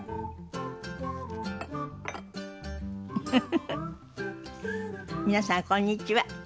フフフフ皆さんこんにちは。